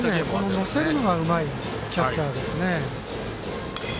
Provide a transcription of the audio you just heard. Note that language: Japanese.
乗せるのがうまいキャッチャーです。